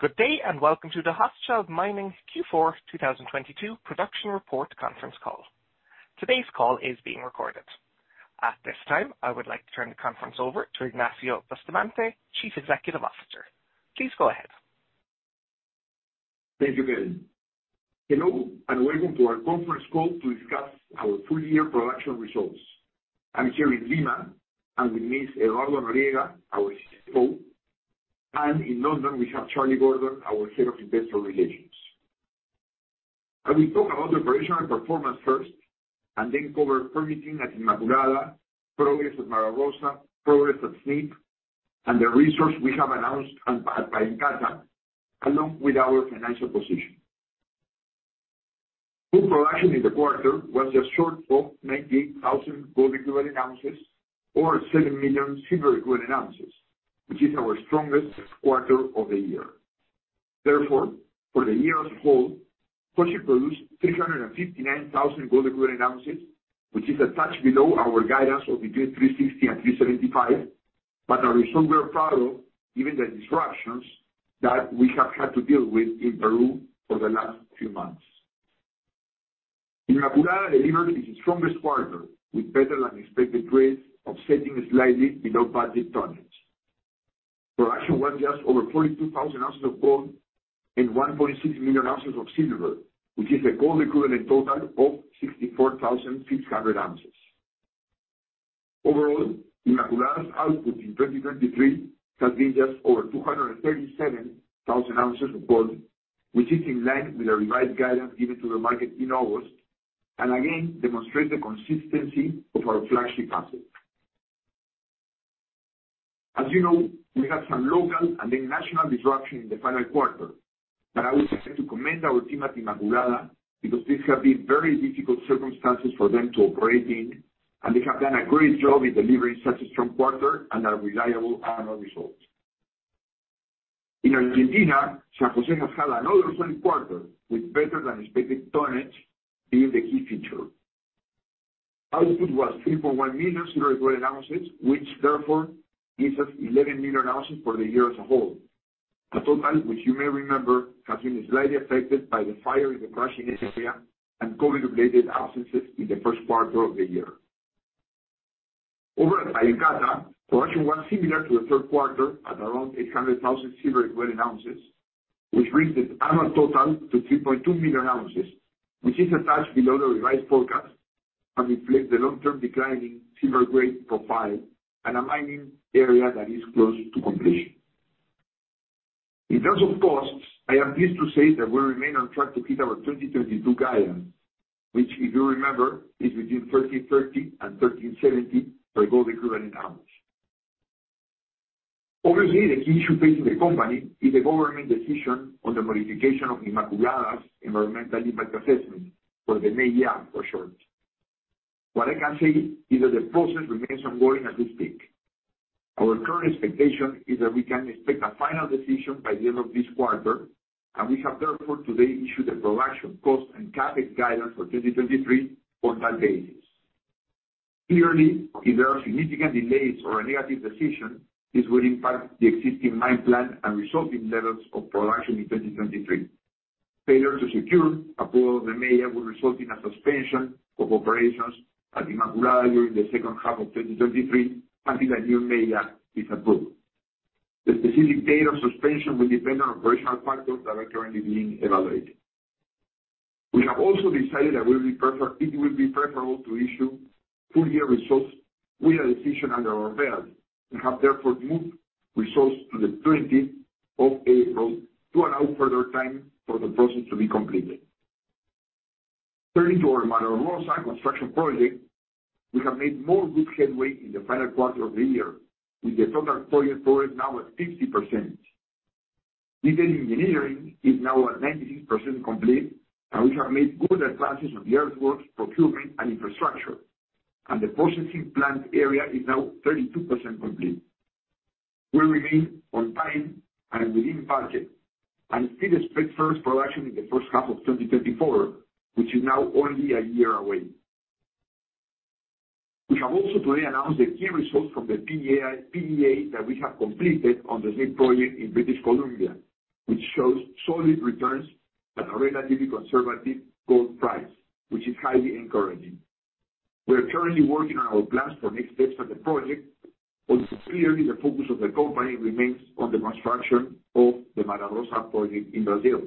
Good day, welcome to the Hochschild Mining Q4 2022 production report conference call. Today's call is being recorded. At this time, I would like to turn the conference over to Ignacio Bustamante, Chief Executive Officer. Please go ahead. Thank you, Karen. Hello, and welcome to our conference call to discuss our full year production results. I'm here in Lima and with me is Eduardo Noriega, our CFO, and in London we have Charlie Gordon, our Head of Investor Relations. I will talk about the operational performance first and then cover permitting at Inmaculada, progress at Mara Rosa, progress at Snip, and the resource we have announced at Pallancata, along with our financial position. Gold production in the quarter was just short of 98,000 gold equivalent ounces or 7 million silver equivalent ounces, which is our strongest quarter of the year. For the year as a whole, Hochschild produced 359,000 gold equivalent ounces, which is a touch below our guidance of between 360 and 375. A result we are proud of given the disruptions that we have had to deal with in Peru for the last few months. Inmaculada delivered its strongest quarter with better-than-expected grades offsetting slightly below-budget tonnage. Production was just over 42,000 ounces of gold and 1.6 million ounces of silver, which is a gold equivalent total of 64,600 ounces. Overall, Inmaculada's output in 2023 has been just over 237,000 ounces of gold, which is in line with the revised guidance given to the market in August. Again, demonstrate the consistency of our flagship asset. As you know, we had some local and then national disruption in the final quarter that I would like to commend our team at Inmaculada because these have been very difficult circumstances for them to operate in, and they have done a great job in delivering such a strong quarter and a reliable annual result. In Argentina, San José has had another solid quarter with better than expected tonnage being the key feature. Output was 3.1 million silver equivalent ounces, which therefore gives us 11 million ounces for the year as a whole. A total which you may remember has been slightly affected by the fire in the crushing area and COVID-related absences in the first quarter of the year. Over at Pallancata, production was similar to the third quarter at around 800,000 silver equivalent ounces, which brings the annual total to 3.2 million ounces, which is a touch below the revised forecast and reflects the long-term declining silver grade profile in a mining area that is close to completion. In terms of costs, I am pleased to say that we remain on track to hit our 2022 guidance, which if you remember, is between $1,330 and $1,370 per gold equivalent ounce. Obviously, the key issue facing the company is the government decision on the modification of Inmaculada's environmental impact assessment for the MEIA for short. What I can say is that the process remains ongoing at this stage. Our current expectation is that we can expect a final decision by the end of this quarter, and we have therefore today issued the production cost and CapEx guidance for 2023 on that basis. Clearly, if there are significant delays or a negative decision, this will impact the existing mine plan and resulting levels of production in 2023. Failure to secure approval of the MEIA will result in a suspension of operations at Inmaculada during the second half of 2023 until a new MEIA is approved. The specific date of suspension will depend on operational factors that are currently being evaluated. We have also decided that it will be preferable to issue full year results with a decision under our belt and have therefore moved results to the April 20th to allow further time for the process to be completed. Turning to our Mara Rosa construction project, we have made more good headway in the final quarter of the year, with the total project now at 50%. Detailed engineering is now at 96% complete, and we have made good advances on the earthworks, procurement, and infrastructure, and the processing plant area is now 32% complete. We remain on time and within budget and still expect first production in the first half of 2024, which is now only a year away. We have also today announced the key results from the PEA that we have completed on the Snip project in British Columbia, which shows solid returns at a relatively conservative gold price, which is highly encouraging. We are currently working on our plans for next steps on the project. Clearly the focus of the company remains on the construction of the Mara Rosa project in Brazil.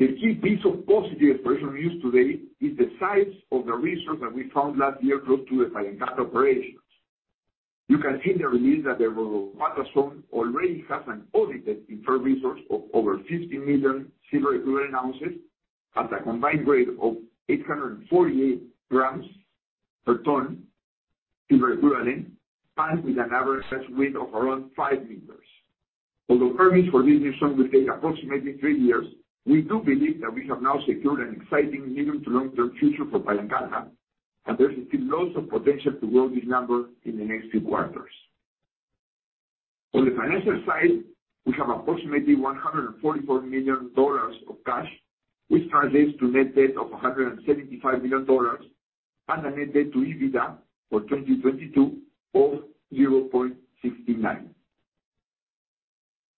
The key piece of positive exploration news today is the size of the resource that we found last year close to the Pallancata operations. You can see in the release that the Royropata zone already has an audited inferred resource of over 50 million silver equivalent ounces at a combined grade of 848 grams per tons silver equivalent and with an average width of around 5 meters. Permits for this new zone will take approximately three years, we do believe that we have now secured an exciting medium to long-term future for Pallancata. There's still lots of potential to grow this number in the next few quarters. On the financial side, we have approximately $144 million of cash, which translates to net debt of $175 million. An EBITDA to EBITDA for 2022 of 0.69.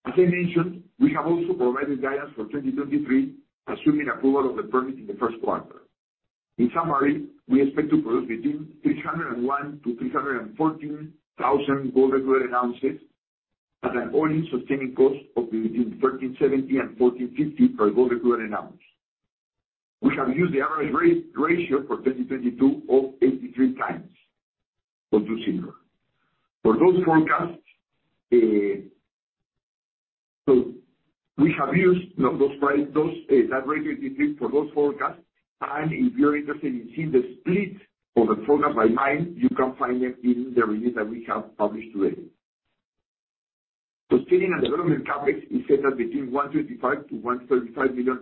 As I mentioned, we have also provided guidance for 2023 assuming approval of the permit in the first quarter. In summary, we expect to produce between 301,000-314,000 gold equivalent ounces at an all-in sustaining cost of between $1,370 and $1,450 per gold equivalent ounce. We have used the average ratio for 2022 of 83 times for silver. For those forecasts, we have used that ratio you see for those forecasts. If you're interested in seeing the split of the forecast by mine, you can find it in the release that we have published today. Sustaining and development CapEx is set at between $125 million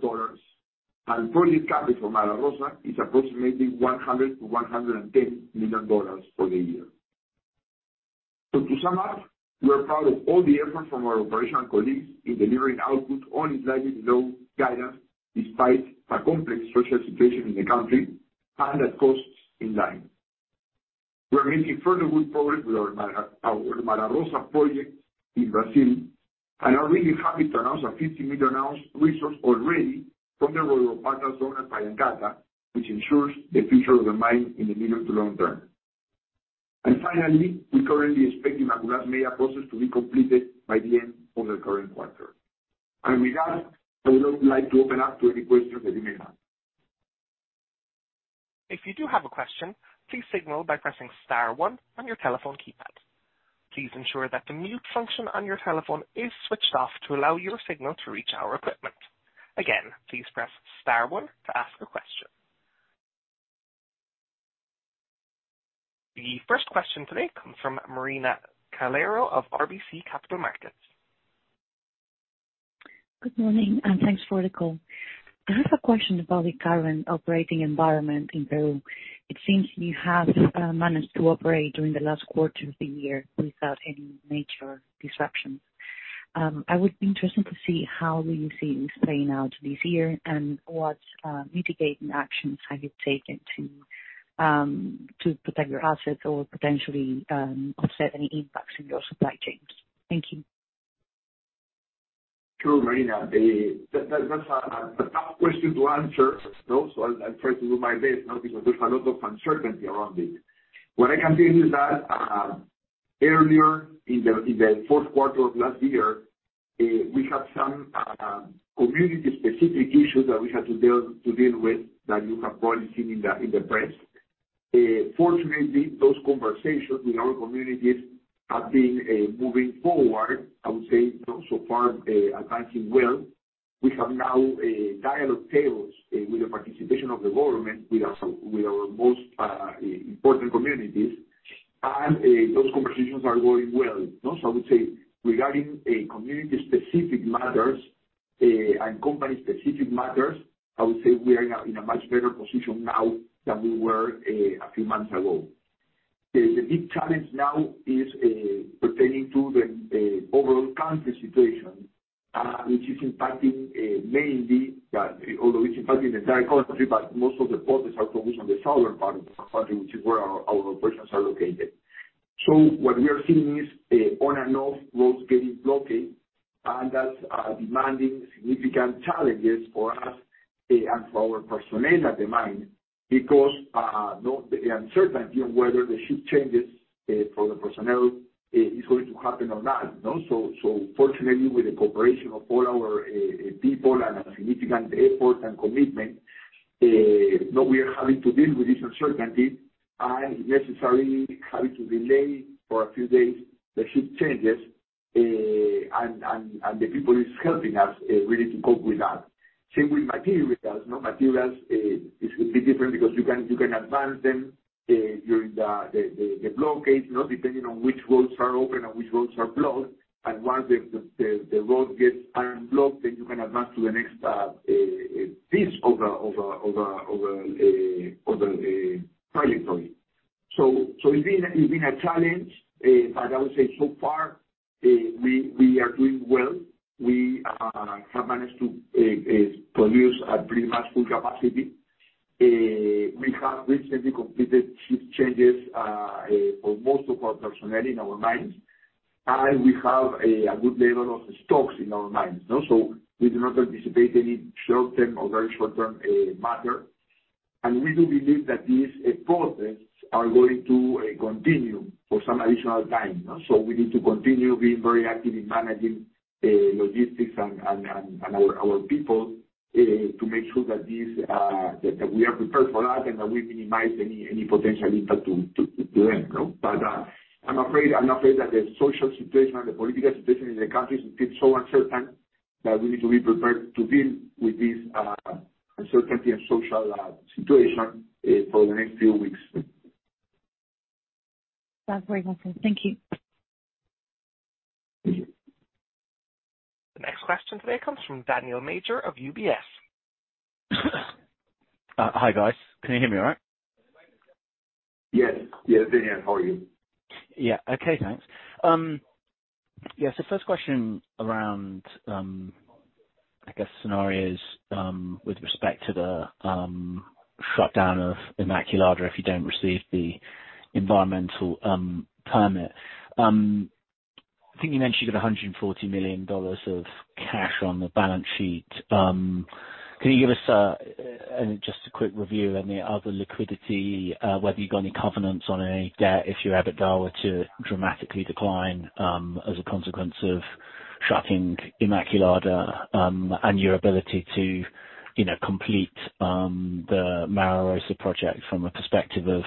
to $135 million, and project CapEx for Mara Rosa is approximately $100 million to $110 million for the year. To sum up, we are proud of all the effort from our operational colleagues in delivering output only slightly below guidance despite a complex social situation in the country and at costs in line. We are making further good progress with our Mara Rosa project in Brazil, and are really happy to announce a 50 million ounce resource already from the Royropata zone at Pallancata, which ensures the future of the mine in the medium to long term. Finally, we currently expect the Inmaculada process to be completed by the end of the current quarter. With that, I would now like to open up to any questions that you may have. If you do have a question, please signal by pressing star one on your telephone keypad. Please ensure that the mute function on your telephone is switched off to allow your signal to reach our equipment. Again, please press star one to ask a question. The first question today comes from Marina Calero of RBC Capital Markets. Good morning, and thanks for the call. I have a question about the current operating environment in Peru. It seems you have managed to operate during the last quarter of the year without any major disruptions. I would be interested to see how you see this playing out this year and what mitigating actions have you taken to protect your assets or potentially offset any impacts in your supply chains. Thank you. Sure, Marina. That's a tough question to answer. I'll try to do my best now because there's a lot of uncertainty around it. What I can tell you is that earlier in the fourth quarter of last year, we had some community-specific issues that we had to deal with that you have probably seen in the press. Fortunately, those conversations with our communities have been moving forward. I would say so far, advancing well. We have now dialogue tables with the participation of the government with our most important communities. Those conversations are going well. I would say regarding community-specific matters and company-specific matters, I would say we are in a much better position now than we were a few months ago. The big challenge now is pertaining to the overall country situation, which is impacting mainly, although it's impacting the entire country, but most of the focus are focused on the southern part of the country, which is where our operations are located. What we are seeing is on-and-off roads getting blocked, and that's demanding significant challenges for us and for our personnel at the mine because the uncertainty on whether the shift changes for the personnel is going to happen or not, you know. Fortunately, with the cooperation of all our people and a significant effort and commitment, now we are having to deal with this uncertainty and necessarily having to delay for a few days the shift changes. The people is helping us really to cope with that. Same with materials. You know, materials, it will be different because you can advance them during the blockades, you know, depending on which roads are open and which roads are blocked. Once the road gets unblocked, then you can advance to the next piece of the territory. It's been a challenge. I would say so far, we are doing well. We have managed to produce at pretty much full capacity. We have recently completed shift changes for most of our personnel in our mines, and we have a good level of stocks in our mines, you know. We do not anticipate any short term or very short term matter. We do believe that these protests are going to continue for some additional time, you know. We need to continue being very active in managing logistics and our people to make sure that we are prepared for that and that we minimize any potential impact to them, you know. I'm afraid that the social situation, the political situation in the country is still so uncertain that we need to be prepared to deal with this uncertainty and social situation for the next few weeks. That's very helpful. Thank you. Thank you. The next question today comes from Daniel Major of UBS. Hi, guys. Can you hear me all right? Yes. Yes, Daniel, how are you? Yeah. Okay, thanks. Yes, the first question around I guess, scenarios with respect to the shutdown of Inmaculada if you don't receive the environmental permit. I think you mentioned you've got $140 million of cash on the balance sheet. Can you give us and just a quick review, any other liquidity, whether you've got any covenants on any debt if your EBITDA were to dramatically decline as a consequence of shutting Inmaculada, and your ability to, you know, complete the Mara Rosa project from a perspective of,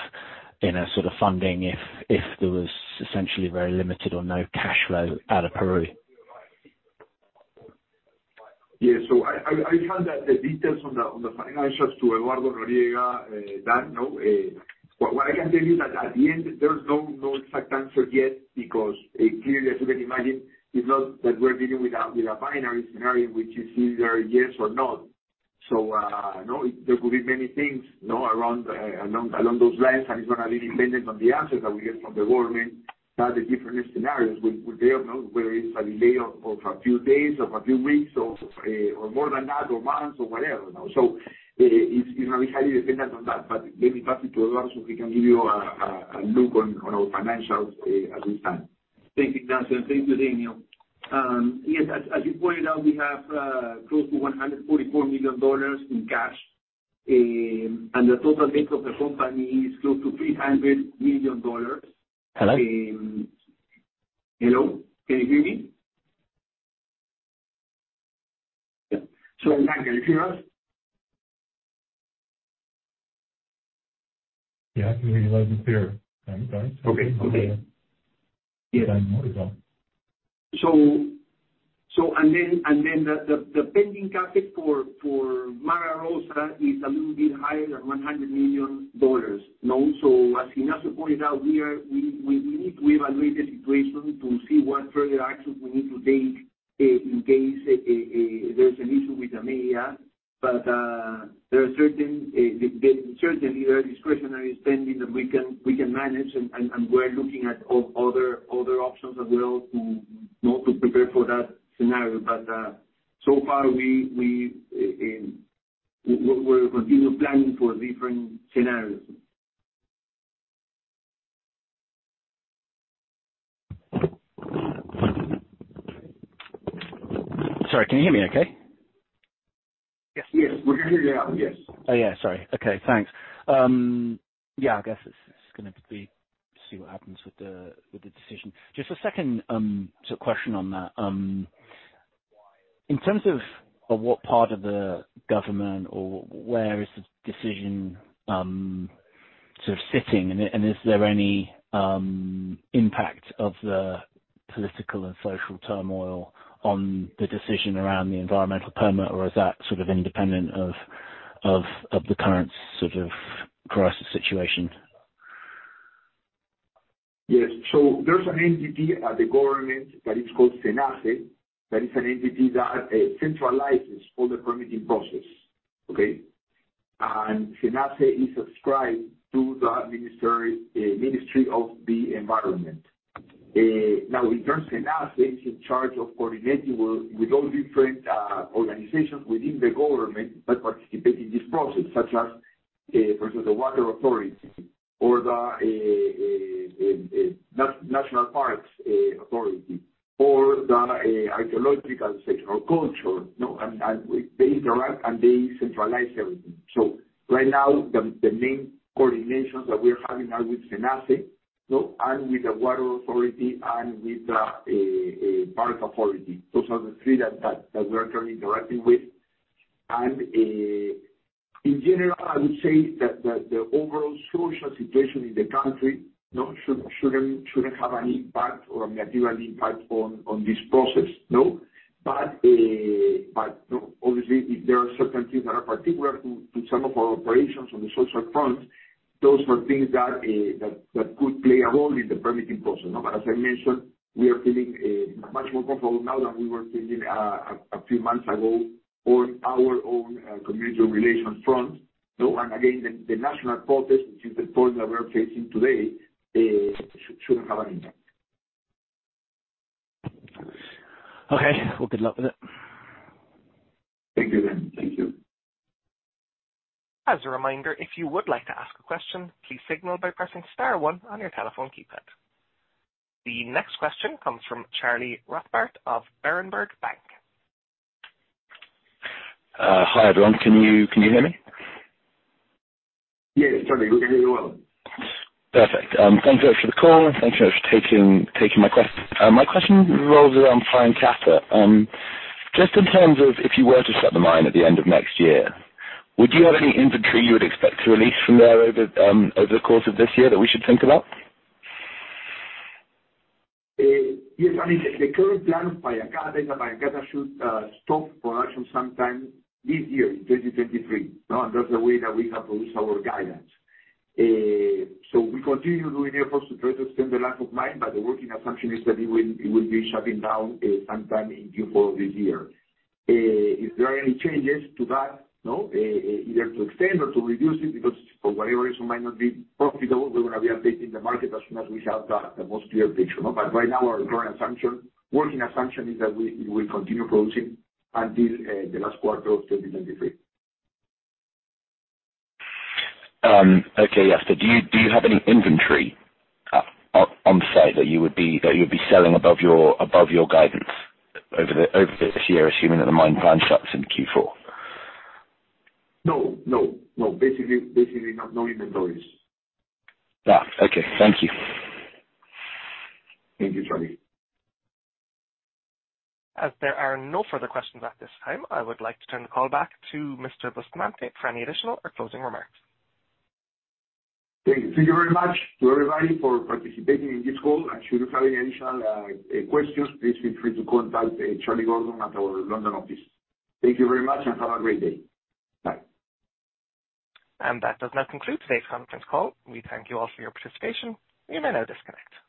you know, sort of funding if there was essentially very limited or no cash flow out of Peru? I found that the details on the financials to Eduardo Noriega, Dan, no? What I can tell you that at the end, there's no exact answer yet because clearly as you can imagine, it's not that we're dealing with a binary scenario which is either yes or no. No, there could be many things, you know, around along those lines, and it's gonna be dependent on the answers that we get from the government that the different scenarios will be able, no, whether it's a delay of a few days, of a few weeks or more than that, or months or whatever, you know. It's gonna be highly dependent on that. Let me pass it to Eduardo so he can give you a look on our financials at this time. Thank you, Ignacio. Thank you, Daniel. Yes, as you pointed out, we have close to $144 million in cash. And the total debt of the company is close to $300 million. Hello? Hello, can you hear me? Dan, can you hear us? Yeah, I can hear you loud and clear. Okay. Okay. Yeah. And then the pending CapEx for Mara Rosa is a little bit higher than $100 million. No, as Ignacio pointed out, we need to evaluate the situation to see what further actions we need to take in case there's an issue with the MEIA. There are certain, there, certainly there are discretionary spending that we can manage and we're looking at other options as well to, you know, to prepare for that scenario. So far we're continuing planning for different scenarios. Sorry, can you hear me okay? Yes. Yes. We can hear you now. Yes. Oh, yeah, sorry. Okay, thanks. Yeah, I guess it's gonna be see what happens with the decision. Just a second, sort of question on that. In terms of what part of the government or where is the decision, sort of sitting, and is there any impact of the political and social turmoil on the decision around the environmental permit, or is that sort of independent of the current sort of crisis situation? Yes. There's an entity at the government that is called SENACE. That is an entity that centralizes all the permitting process. Okay? SENACE is subscribed to the Ministry of the Environment. Now in terms of SENACE, it's in charge of coordinating with all different organizations within the government that participate in this process, such as, for instance, the water authority or the national parks authority, or the archaeological section or culture. No, and they interact, and they centralize everything. Right now the main coordinations that we're having are with SENACE, no, and with the water authority and with the parks authority. Those are the three that we're currently interacting with. In general, I would say that the overall social situation in the country, shouldn't have any impact or a negative impact on this process. Obviously there are certain things that are particular to some of our operations on the social front. Those are things that could play a role in the permitting process. But as I mentioned, we are feeling much more comfortable now than we were feeling a few months ago on our own community relations front. Again, the national protest, which is the point that we're facing today, shouldn't have an impact. Okay. Well, good luck with it. Thank you, Dan. Thank you. As a reminder, if you would like to ask a question, please signal by pressing star one on your telephone keypad. The next question comes from Charlie Rothbarth of Berenberg Bank. Hi, everyone. Can you hear me? Yes, Charlie, we can hear you well. Perfect. Thanks very much for the call, and thank you very much for taking my question. My question revolves around Pallancata. Just in terms of if you were to shut the mine at the end of next year, would you have any inventory you would expect to release from there over the course of this year that we should think about? Yes. I mean, the current plan of Pallancata should stop production sometime this year in 2023. No, that's the way that we have released our guidance. We continue doing efforts to try to extend the life of mine, but the working assumption is that it will be shutting down sometime in Q4 of this year. If there are any changes to that, no, either to extend or to reduce it because for whatever reason it might not be profitable, we're gonna be updating the market as soon as we have the most clear picture. No, right now our current assumption, working assumption is that we will continue producing until the last quarter of 2023. Do you have any inventory on site that you would be selling above your guidance over this year, assuming that the mine plan shuts in Q4? No. No. No. Basically no inventories. Yeah. Okay. Thank you. Thank you, Charlie. As there are no further questions at this time, I would like to turn the call back to Mr. Bustamante for any additional or closing remarks. Thank you very much to everybody for participating in this call. Should you have any additional questions, please feel free to contact Charlie Gordon at our London office. Thank you very much and have a great day. Bye. That does now conclude today's conference call. We thank you all for your participation. You may now disconnect.